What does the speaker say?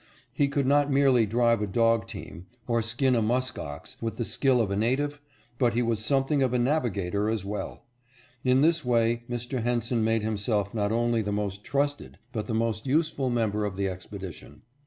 He could not merely drive a dog team or skin a musk ox with the skill of a native, but he was something of a navigator as well. In this way Mr. Henson made himself not only the most trusted but the most useful member of the expedition.